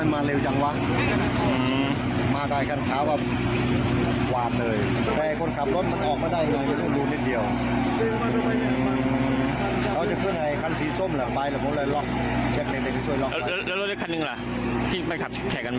ตรงนี้มัน